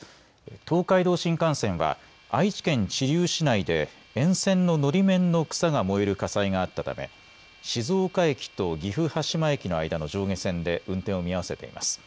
東海道新幹線は愛知県知立市内で沿線ののり面の草が燃える火災があったため静岡駅と岐阜羽島駅の間の上下線で運転を見合わせています。